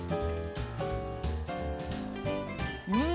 うん！